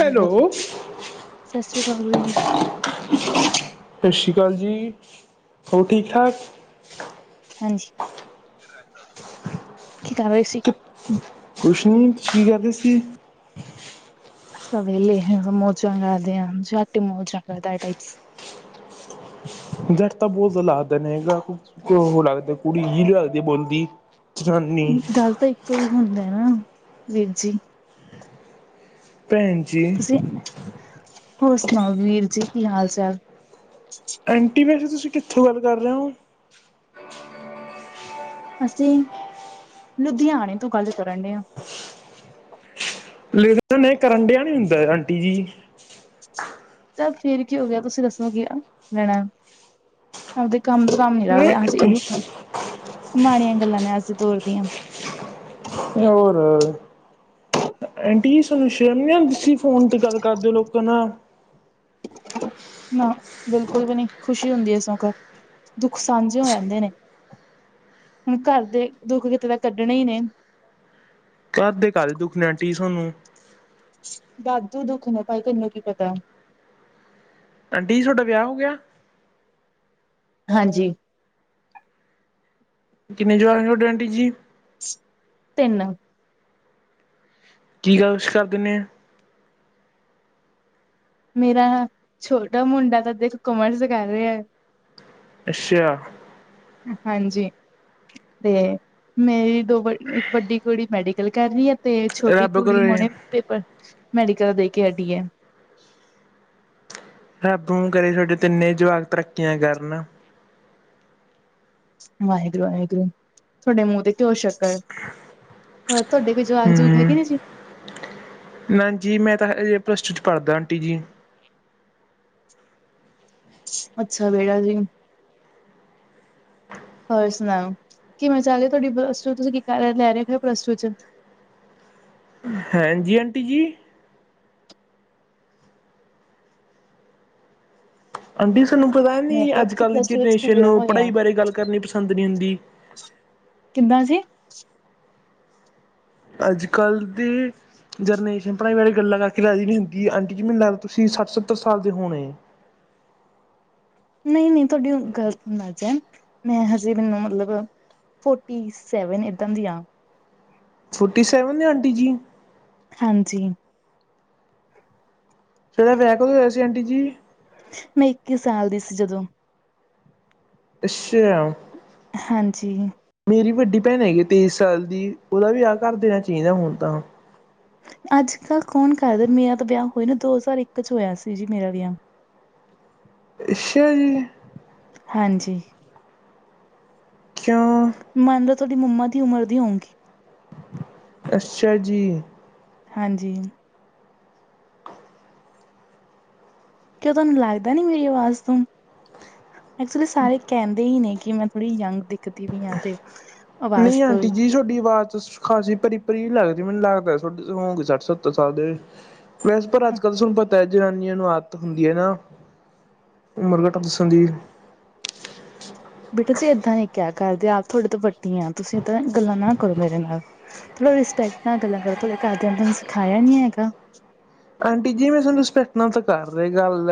Hello ਸਤਿ ਸ੍ਰੀ ਅਕਾਲ ਜੀ ਸਤਿ ਸ਼੍ਰੀ ਅਕਾਲ ਜੀ ਹੋਰ ਠੀਕ ਠਾਕ ਹਾਂਜੀ ਕੀ ਕਰ ਰਹੇ ਸੀਂ ਕੁਛ ਨਹੀਂ ਕੀ ਕਰਦੇ ਸੀ। ਅਸੀਂ ਤਾਂ ਵਿਹਲੇ ਮੌਜਾਂ ਕਰਦੇ ਆ ਝੱਟ ਮੋਜਗਦਾ ਟਾਈਪ ਜੱਟ ਤਾਂ ਬੋਲ ਲੱਗਦਾ ਨੇ ਹੈਗਾ ਲੱਗਦਾ ਕੁੜੀ ਹੀ ਨਹੀਂ ਲੱਗਦੀ ਬੋਲਦੀ, ਜਨਾਨੀ ਗੱਲ ਤਾਂ ਇੱਕੋ ਹੀ ਹੁੰਦਾ ਨਾ, ਵੀਰ ਜੀ। ਭੈਣ ਜੀ। ਤੁਸੀਂ, ਹੋਰ ਸੁਣਾਓ ਵੀਰ ਜੀ ਕੀ ਹਾਲ ਚਾਲ? ਐਂਟੀ ਵੈਸੇ ਤੁਸੀਂ ਕਿੱਥੋਂ ਗੱਲ ਕਰ ਰਹੇ ਹੋ? ਅਸੀਂ ਲੁਧਿਆਣੇ ਤੋਂ ਗੱਲ ਕਰਨ ਡੇ ਹਾਂ। ਲੇਨ ਨੇ ਕਰਨ ਡਿਆ ਨੀ ਹੁੰਦਾ ਆਂਟੀ ਜੀ। ਚੱਲ ਫੇਰ ਕੀ ਹੋਗਿਆ, ਤੁਸੀ ਦੱਸੋ [unintelligible] ਲੈਣਾ। ਆਪਦੇ ਕੰਮ ਦੇ ਕੰਮ ਨੀ ਰੱਖਦੇ, ਅਸੀਂ ਇਹੀ ਕੰਮ ਮਾੜੀਆਂ ਗੱਲਾਂ ਨੇ ਅੱਜ ਦੇ ਦੌਰ ਦੀਆਂ। ਹੋਰ [unintelligible] ਫੋਨ ਤੇ ਗੱਲ ਕਰਦੇ ਓ ਲੋਕਾਂ ਨਾਲ ਨਾ, ਬਿਲਕੁਲ ਵੀ ਨੀ, ਖੁਸ਼ੀ ਹੁੰਦੀ ਏ ਸਗੋ ਦੁੱਖ ਸਾਂਝੇ ਹੋ ਜਾਂਦੇ ਨੇ, ਹੁਣ ਘਰ ਦੇ ਦੁੱਖ ਕਿਤੇ ਤਾਂ ਕੱਢਨੇ ਈ ਨੇ। ਘਰ ਦੇ ਕਾਹਦੇ ਦੁੱਖ ਨੇ ਆਂਟੀ ਜੀ ਸੋਨੂੰ, ਵਾਦੂ ਦੁੱਖ ਨੇ ਭਾਈ ਤੈਨੂੰ ਕੀ ਪਤਾ, ਆਂਟੀ ਜੀ ਸੋਡਾ ਵਿਆਹ ਹੋ ਗਿਆ? ਹਾਂਜੀ। ਕਿੰਨੇ ਜਵਾਖ ਨੇ ਤੁਹਾਡੇ ਆਂਟੀ ਜੀ। ਤਿੰਨ, ਕੀ ਗੱਲ [unintelligible] ਕਰਦੇ ਨੇ, ਮੇਰਾ, ਛੋਟਾ ਮੁੰਡਾ ਤਾਂ ਦੇਖ ਕਮਰਸ ਕਰ ਰਿਹਾ। ਅੱਛਿਆ। ਹਾਂਜੀ। ਤੇ ਮੇਰੇ ਤੋਂ ਇੱਕ ਵੱਡੀ ਕੁੜੀ ਮੈਡੀਕਲ ਕਰ ਰਹੀ ਹੈ, ਤੇ ਛੋਟੀ ਰੱਬ ਕੁੜੀ ਕਰੇ ਹੁਣੇ ਪੇਪਰ ਮੈਡੀਕਲ ਦੇ ਕੇ ਹਟੀ ਹੈ। ਰੱਬ ਨੂੰ ਕਰੇ ਤੁਹਾਡੇ ਤਿੰਨੇ ਜਵਾਕ ਤਰੱਕੀਆਂ ਕਰਨ। ਵਾਹਿਗੁਰੂ-ਵਾਹਿਗੁਰੂ, ਤੁਹਾਡੇ ਮੂੰਹ ਤੇ ਘਿਉਂ ਸ਼ੱਕਰ ਹੈ ਹੋਰ ਤੁਹਾਡੇ ਵੀ ਜਵਾਖ ਜਵੁਖ ਹੈਗੇ ਨੇ ਜੀ। ਨਾ ਜੀ ਮੈਂ ਤਾ ਹਜੇ ਪਲੱਸ ਟੂ ਚ ਪੜਦਾ, ਆਂਟੀ ਜੀ। ਅੱਛਾ, ਬੇਟਾ ਜੀ। ਹੋਰ ਸੁਣਾਓ ਕਿਵੇਂ ਚੱਲ ਰਹੀ ਆ ਪਲੱਸ ਟੂ ਚ ਹਾਂਜੀ, ਆਂਟੀ ਜੀ। ਆਂਟੀ ਸਾਨੂੰ ਪਤਾ ਨੀ ਮੈਂ ਕਿਹਾ ਤੁਸੀਂ ਅੱਜ-ਕੱਲ੍ਹ ਪਲੱਸ ਦੀ ਟੂ ਵਿੱਚ ਕੀ ਜਨਰੇਸ਼ਨ ਲਿਆ ਨੂੰ ਹੋਇਆ ਪੜਾਈ ਬਾਰੇ ਗੱਲ ਕਰਨੀ ਪਸੰਦ ਨੀ ਹੁੰਦੀ। ਕਿੱਦਾਂ ਜੀ? ਅੱਜ-ਕੱਲ੍ਹ ਦੀ ਜਰਨੇਸ਼ਨ ਪੜਾਈ ਬਾਰੇ ਗੱਲਾ ਕਾਰਕੇ ਰਾਜੀ ਨੀ ਹੁੰਦੀ, ਆਂਟੀ ਜੀ ਮੈਨੂੰ ਲੱਗਦੈ ਤੁਸੀ ਸੱਠ-ਸੱਤਰ ਸਾਲ ਦੇ ਹੋਣੇ। ਨਈਂ, ਨਈਂ, ਤੁਹਾਡੀ ਗ਼ਲਤ ਅਂਦਾਜੈ, ਮੈਂ ਹਜੇ ਮੈਨੂੰ ਮਤਲਬ ਫੋਟੀ ਸੈਵਨ ਇਦਾਂ ਦੀ ਆਂ। ਫੋਟੀ ਸੈਵਨ ਆ, ਆਂਟੀ ਜੀ। ਹਾਂਜੀ। ਤੁਆਡਾ ਵਿਆਹ ਕਦੋ ਹੋਇਆ ਸੀ, ਆਂਟੀ ਜੀ? ਮੈਂ ਇੱਕੀ ਸਾਲ ਦੀ ਸੀ ਜਦੋਂ, ਅੱਛਿਆ। ਹਾਂਜੀ। ਮੇਰੀ ਵੱਡੀ ਭੈਣ ਹੈਗੀ ਤੇਈਸ ਸਾਲ ਦੀ, ਉਹਦਾ ਵੀ ਵਿਆਹ ਕਰ ਦੇਣਾ ਚਾਈਦਾ ਹੁਣ ਤਾਂ ਅੱਜ-ਕੱਲ੍ਹ ਕੌਣ ਕਰਦੈ, ਮੇਰਾ ਤਾ ਵਿਆਹ ਹੋਏ ਨੂੰ, ਦੋ ਹਜ਼ਾਰ ਇੱਕ ਚ ਹੋਇਆ ਸੀ ਜੀ ਮੇਰਾ ਵਿਆਹ। ਅੱਛਿਆ ਜੀ। ਹਾਂਜੀ। ਕਿਉਂ ਮੰਨਦਾ ਤੁਆਡੀ ਮੰਮਾ ਦੀ ਉਮਰ ਦੀ ਹੋਉਂਗੀ ਅੱਛਾ ਜੀ। ਹਾਂਜੀ। ਕਿਓ ਤਾਨੂੰ ਲਾਗਦਾ ਨੀ ਮੇਰੀ ਆਵਾਜ਼ ਤੋ, ਐਕਚੁਲੀ ਸਾਰੇ ਕੈਂਦੇ ਈ ਨੇ ਕਿ ਮੈਂ ਬੜੀ ਯੰਗ ਦਿਖਦੀ ਵੀ ਆ ਤੇ ਆਵਾਜ ਤੋਈ [unintelligible] ਖਾਂਸੀ ਭਰੀ, ਭਰੀ ਜੀ ਲੱਗਦੀ, ਮੈਨੂੰ ਲਾਗਦੈ ਤ [unintelligible] ਹੋਣਗੇ ਸਾੱਠ-ਸੱਤਰ ਸਾਲ ਦੇ। [unintelligible] ਤਾਂ ਜਨਾਨੀਆਂ ਨੂੰ ਆਦਤ ਹੁੰਦੀ ਹੈ ਨਾ ਉਮਰ ਘਟ ਦੱਸਣ ਦੀ, ਬੇਟਾ ਜੀ ਇਦਾਂ ਨ ਕਿਹਾ ਕਰਦੇ ਆਪ ਤੁਹਾਡੇ ਤੋਂ ਵੱਡੀ ਆ ਤੁਸੀਂ ਇਦਾਂ ਦੀਆਂ ਗੱਲਾਂ ਨਾ ਕਰੋ ਮੇਰੇ ਨਾਲ ਥੋੜ੍ਹਾ ਰਿਸਪੈਕਟ ਨਾਲ ਗੱਲ ਕਰੋ ਥੋੜੇ ਘਰਦਿਆਂ ਤਹਾਨੂੰ ਸਿਖਾਇਆ ਨੀ ਹੈਗਾ ਆਂਟੀ ਜੀ ਮੈਂ ਤਾਨੂੰ ਰਿਸਪੈਕਟ ਨਾਲ ਤਾਂ ਕਰ ਰਹੇ ਗੱਲ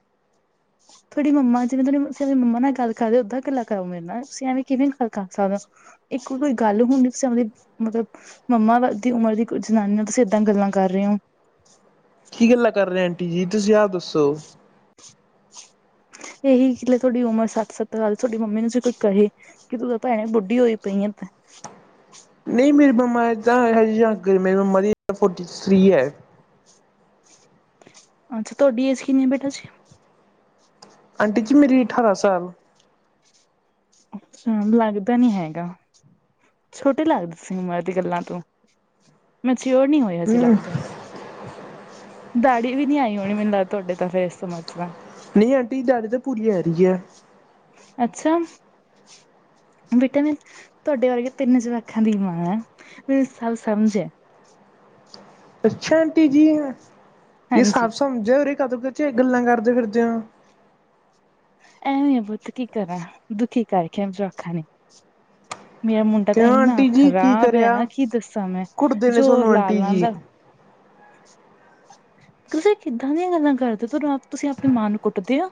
[unintelligible] ਤੁਹਾਡੀ ਮੰਮਾ ਜਿਵੇਂ ਤੁਸੀ ਆਪ ਮੰਮਾ ਨਾਲ ਗਲ ਕਰਦੇ ਓਦਾਂ ਗੱਲਾ ਕਰੋ ਮੇਰੇ ਨਾਲ ਤੁਸੀਂ ਐਵੇਂ ਕਿਵੇਂ ਗੱਲ ਕਰ ਸਕਦੇ ਓ ਇੱਕ ਕੋਈ ਗੱਲ ਹੁਣ ਨ ਤੁਂ ਆਪਦੇ ਮਤਲਬ ਮੰਮਾ ਦੀ ਉਮਰ ਦੀ ਜਨਾਨੀ ਨਾਲ ਤੁਸੀਂ ਇਦਾਂ ਗੱਲਾਂ ਕਰ ਰਹੇ ਓ ਕੀ ਗੱਲਾਂ ਕੱਰ ਰੇ ਆ ਆਂਟੀ ਜੀ, ਤੁਸੀ ਆ ਦੱਸੋ। [unintelligible] ਏਹੀ ਗੱਲਾ ਤੁਆਡੀ ਉਮਰ ਸਾੱਠ-ਸੱਤਰ ਸਾਲ, ਤੁਆਡੀ ਮੰਮੀ ਨੂੰ [unintelligible] ਕੋਈ ਕਹੇ ਕਿ ਤੂੰ ਤਾਂ ਭੈਣੇ ਬੁੱਢੀ ਹੋਈ ਪਈਂ ਆਂ, ਮੈਂਂ। ਨਈਂ ਮੇਰੀ ਮੰਮਾ ਏਦਾ [unintelligible] ਮੇਰੀ ਮੰਮਾ ਦੀ ਫੋਰਟੀ ਥਰੀ ਐ। ਅੱਛਾ, ਤੁਆਡੀ ਏਜ ਕਿੰਨੀ ਏ, ਬੇਟਾ ਜੀ? ਆਂਟੀ ਜੀ, ਮੇਰੀ ਅਠਾਰਾ ਸਾਲ। ਅੱਛਾ, ਲਾਗਦੈ ਨੀ ਹੈਗਾ। ਛੋਟੇ ਲਾਗਦੇ ਸੀ ਉਮਰ ਦੀ ਗੱਲਾਂ ਤੋਂ, ਮੈਚਿਓਰ ਨੀ ਹੋਏ। ਹਜੇ ਲੱਗਦੈ, ਦਾੜੀ ਵੀ ਨੀ ਆਈ ਹੋਣੀ ਮੈਨੂੰ ਲੱਗਦੈ ਤੁਆਡੇ ਤਾ ਫੇਸ [unintelligible] ਨਈਂ ਆਂਟੀ ਦਾੜੀ ਤੇ ਪੂਰੀ ਆ ਗੀ ਏ। ਅੱਛਾ। ਬੇਟਾ, ਮੈਂ ਤੁਆਡੇ ਵਰਗੇ ਤਿੰਨ ਜਵਾਕਾਂ ਦੀ ਮਾਂ, ਮੈਨੂੰ ਸਬ ਸਮਝ ਐ। ਅੱਛਾ ਆਂਟੀ ਜੀ, ਜੇ ਹਾਂਜੀ ਸਾਫ਼ ਸਮਝੇ ਉਰੇ ਕਾਤੋ [unintelligible] ਗੱਲਾਂ ਕਾਰਦੇ ਫਿਰਦੇ ਓ। ਐਵੇਂ ਪੁੱਤ ਕੀ ਕਰਾਂ, ਦੁਖੀ ਕਰ [unintelligible] ਜਵਾਕਾਂ ਨੇ, ਮੇਰਾ ਮੁੰ ਡਾ ਤਾਂ ਕਿਉਂ ਇੰਨਾ ਆਂਟੀ ਜੀ ਕੀ ਖ਼ਰਾਬ ਹੈ, ਨਾ ਕਰਿਆ ਕੀ ਦੱਸਾਂ ਮੈਂ ਕੁੱਟਦੇ ਨੇ ਜ਼ੋਰ ਸੋਨੂੰ ਲਾ ਆਂਟੀ ਲਾਂ ਜੀ ਦਾ, ਤੁਸੀਂ ਕਿੱਦਾਂ ਦੀਆਂ ਗੱਲਾਂ ਕਰਦੇ ਹੋ ਆਪ ਤੁਸੀਂ ਆਪਣੀ ਮਾਂ ਨੂੰ ਕੁੱਟਦੇ ਓ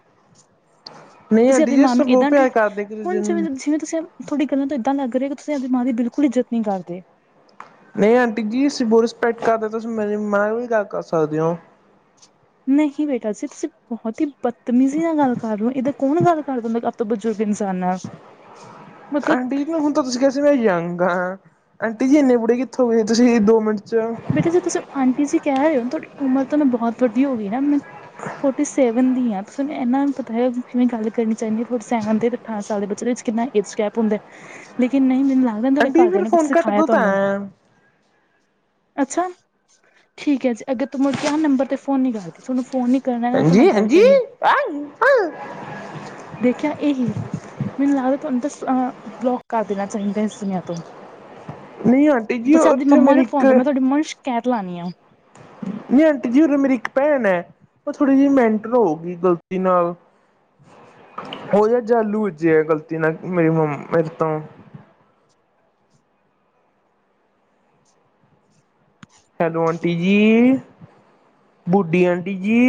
ਨਹੀਂ ਤੁਸੀਂ ਆਂਟੀ ਆਪਣੀ ਜੀ ਮਾਂ ਨੂੰ ਅਸੀਂ ਬਹੁਤ ਏਦਾਂ ਪਿਆਰ ਟਰੀਟ ਕਰਦੇ ਇੱਕ ਹੁਣ ਦੂਜੇ ਜਿਵੇਂ ਨੂੰ ਜਿਵੇਂ ਤੁਸੀਂ ਤੁਹਾਡੀ ਗੱਲਾਂ ਤੋਂ ਇੱਦਾਂ ਲੱਗ ਰਿਹਾ ਤੁਸੀਂ ਆਪਣੀ ਮਾਂ ਦੀ ਬਿਲਕੁਲ ਇੱਜਤ ਨਹੀਂ ਕਰਦੇ ਨਹੀਂ ਆਂਟੀ ਜੀ ਅਸੀਂ ਬਹੁਤ ਰਿਸਪੈਕਟ ਕਰਦੇ ਤੁਸੀਂ ਮੇਰੇ ਮਮਾ ਨਾਲ ਵੀ ਗੱਲ ਕਰ ਸਕਦੇ ਓ ਨਹੀਂ ਬੇਟਾ ਜੀ ਤੁਸੀਂ ਬਹੁਤ ਹੀ ਬਦਤਮੀਜ਼ੀ ਨਾਲ ਗੱਲ ਕਰ ਰਹੇ ਓ ਇਹਦੇ ਕੌਣ ਗੱਲ ਕਰਦੇ ਬਜ਼ੁਰਗ ਇਨਸਾਨ ਆ ਮਤਲਬ ਆਂਟੀ ਜੀ ਹੁਣ ਤੁਸੀਂ ਕਿਹਾ ਸੀ ਮੈਂ ਯੰਗ ਹਾਂ ਆਂਟੀ ਜੀ ਇੰਨੇ ਬੁੜੇ ਕਿੱਥੋਂ ਹੋ ਤੁਸੀਂ ਦੋ ਮਿੰਟ ਚ ਬੇਟਾ ਜੇ ਤੁਸੀਂ ਆਂਟੀ ਜੀ ਕਹਿ ਰਹੇ ਹੋ ਤੁਹਾਡੀ ਉਮਰ ਨੂੰ ਬਹੁਤ ਵੱਡੀ ਹੋ ਗਈ ਨਾ ਮੂੰ ਫੋਰਟੀ ਸੈਵਨ ਦੀ ਆ ਤਾਂ ਤੁਹਾਨੂੰ ਇਹਨਾਂ ਨੂੰ ਪਤਾ ਹੈ ਕਿਵੇਂ ਗੱਲ ਕਰਨੀ ਚਾਹੀਦੀ ਆ ਫੋਰਟੀ ਸੈਵਨ ਦੀ ਅਠਾਰਾਂ ਸਾਲ ਦੇ ਬੱਚੇ ਦੇ ਵਿੱਚ ਕਿੰਨਾ ਏਜ ਗੈਪ ਹੁੰਦਾ ਲੇਕਿਨ ਨਹੀਂ ਮੈਨੂੰ ਲੱਗਦਾ ਨਾ ਤੁਹਾਡੇ ਆਂਟੀ ਜੀ ਘਰਦਿਆਂ ਫਿਰ ਨੇ ਕੁਛ ਫੋਨ ਕੱਟ ਸਿਖਾਇਆ ਨੀ ਦੋ ਤਾਂ ਤੁਹਾਨੂੰ ਅੱਛਾ ਠੀਕ ਹੈ ਜੀ ਅੱਗੇ ਤੋਂ ਮੁੜ ਕੇ ਆ ਨੰਬਰ ਤੇ ਫੋਨ ਨ ਕਰਦੀ ਤੁਹਾਨੂੰ ਫੋਨ ਨੀ ਕਰਨਾ ਹੈਗਾ ਤੁਹਾਡੇ ਨਾਲ ਹਾਂਜੀ ਗੱਲ ਹਾਂਜੀ ਕਰਨੀ [unintelligible] ਦੇਖਿਆ ਇਹੀ ਮੈਨੂੰ ਲੱਗਦਾ ਤੁਹਾਨੂੰ ਤਾਂ ਬਲੋਕ ਕਰ ਦੇਣਾ ਚਾਹੀਦਾ ਇਸ ਦੁਨੀਆਂ ਤੋਂ ਨਹੀਂ ਆਂਟੀ ਜੀ ਤੁਸੀਂ ਆਪਦੀ ਉੱਥੇ ਮੰਮਾ ਮੇਰੀ ਨੂੰ ਮੈਂ ਫੋਨ ਤੁਹਾਡੀ ਮਮਾਂ ਨੂੰ ਸ਼ਿਕਾਇਤ ਲਗਾਨੀ ਏ ਨਹੀਂ ਆਂਟੀ ਜੀ ਉ ਮੇਰੀ ਇੱਕ ਭੈਣ ਏ ਉਹ ਥੋੜ੍ਹੀ ਜਿਹੀ ਮੈਂਟ ਹੋਗੀ ਗ਼ਲਤੀ ਨਾਲ ਹੋ ਯਾਰ ਜਾਲੂਜੇ ਆ ਗ਼ਲਤੀ ਨਾ ਮੇਰੀ ਮੰ ਮੇਰੇ ਤੋਂ ਹੈਲੋ ਆਂਟੀ ਜੀ ਬੁੱਢੀ ਆਂਟੀ ਜੀ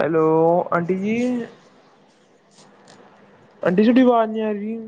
ਹੈਲੋ ਆਂਟੀ ਜੀ। ਆਂਟੀ ਤੁਹਾਡੀ ਆਵਾਜ਼ ਨੀ ਆ ਰਹੀ।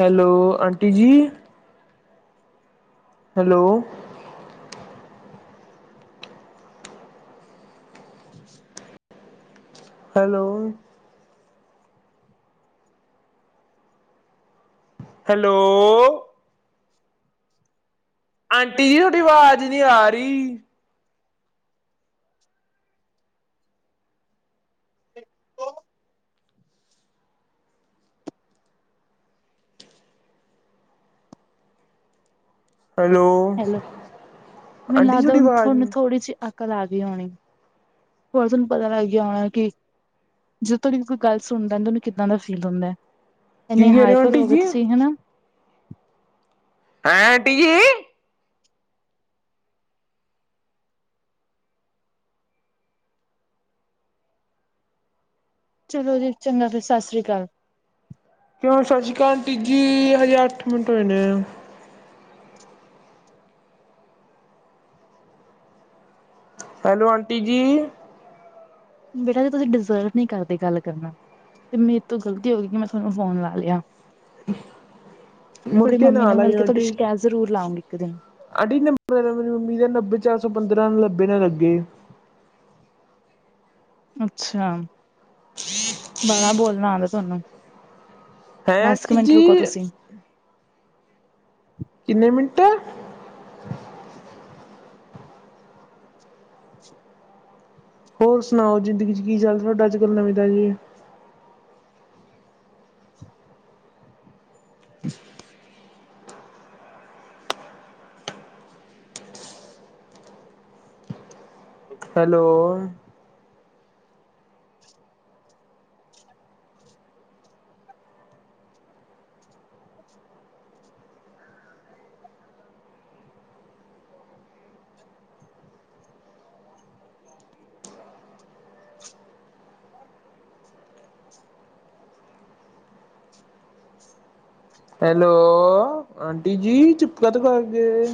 ਹੈਲੋ ਆਂਟੀ ਜੀ। ਹੈਲੋ ਹੈਲੋ ਹੈਲੋ ਆਂਟੀ ਜੀ ਤੁਹਾਡੀ ਆਵਾਜ਼ ਨੀ ਆ ਰੀ ਹੈਲੋ ਹੈਲੋ ਮੈਨੂੰ ਆਂਟੀ ਜੀ ਲੱਗਦਾ ਤੁਹਾਡੀ ਹੁਨ ਆਵਾਜ਼ ਤੁਹਾਨੂੰ ਨੀ, ਥੋੜੀ ਜਿਹੀ ਅਕਲ ਆ ਗਈ ਹੋਣੀ। ਹੋ ਤੁਹਾਨੂੰ ਪਤਾ ਲੱਗ ਗਿਆ ਹੋਣਾ ਕੀ ਜਦੋਂ ਤੁਹਾਡੀ ਕੋਈ ਗੱਲ ਸੁਣਦਾ ਤੁਹਾਨੂੰ ਕਿੱਦਾਂ ਦਾ ਫੀਲ ਹੁੰਦਾ ਹੈ। ਕੀ ਇੰਨੇ ਕਹਿ ਰਹੇ ਹਾਈਪਰ ਆਂਟੀ ਹੋ ਗਏ ਜੀ? ਤੁਸੀਂ ਹੈਨਾ। ਹੈਂ ਆਟੀ ਜੀ ਚਲੋ ਜੀ ਚੰਗਾ ਫਿਰ ਸਤਿ ਸ੍ਰੀ ਅਕਾਲ ਕਿਉਂ ਸਤਿ ਸ਼੍ਰੀ ਅਕਾਲ ਆਂਟੀ ਜੀ ਹਜੇ ਅੱਠ ਮਿੰਟ ਹੋਏ ਨੇ ਹੈਲੋ ਆਂਟੀ ਜੀ ਬੇਟਾ ਜੀ ਤੁਸੀਂ ਡਿਜ਼ਰਵ ਨਹੀਂ ਕਰਦੇ ਗੱਲ ਕਰਨਾ। ਤੇ ਮੇਰੇ ਤੋਂ ਗਲਤੀ ਹੋ ਗਈ। ਕਿ ਮੈਂ ਤੁਹਾਨੂੰ ਫੋਨ ਲਾ ਲਿਆ। ਮੁੜ ਤੁਹਾਡੀ ਕੇ ਮੰਮੀ ਨਾ ਨੂੰ ਮਿਲ ਲਾਇਓ ਕੇ ਤੁਹਾਡੀ ਆਂਟੀ। ਸ਼ਿਕਾਇਤ ਜ਼ਰੂਰ ਲਾਉਂਗੀ ਇੱਕ ਦਿਨ ਆਂਟੀ ਨੰਬਰ ਮੇਰੀ ਮੰਮੀ ਦਾ ਨੱਬੇ ਚਾਰ ਸੌ ਪੰਦਰਾਂ ਲੱਬੇ ਨਾ ਲੱਗੇ। ਅੱਛਾ ਬਾਲਾ ਬੋਲਣਾ ਆਉਂਦਾ ਤੁਹਾਨੂੰ ਹੈਂ ਦੱਸ ਕੁ ਮਿੰਟ ਰੁਕੋ ਜੀ ਤੁਸੀਂ ਕਿੰਨੇ ਮਿੰਟ ਹੋਰ ਸੁਣਾਓ ਜ਼ਿੰਦਗੀ ਚ ਕੀ ਚੱਲ ਤੁਹਾਡਾ ਅੱਜ ਕੱਲ ਨਵੀਂ ਤਾ ਜੀ ਹੈਲੋ ਹੈਲੋ ਆਂਟੀ ਜੀ ਚੁਪ ਕਾ ਤੋਂ ਕਰ ਗਏ।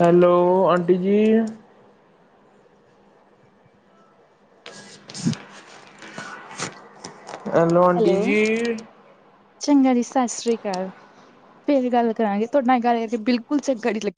ਹੈਲੋ ਆਂਟੀ ਜੀ ਹੈਲੋ ਆਂਟੀ ਜੀ ਚੰਗਾ ਜੀ ਸਤਿ ਸ੍ਰੀ ਅਕਾਲ ਫੇਰ ਗੱਲ ਕਰਾਂਗੇ। ਤੁਹਾਡੇ ਨਾਲ ਗੱਲ ਕਰਕੇ ਬਿਲਕੁਲ ਚੰਗਾ ਨਹੀ ਲੱਗੀਆ।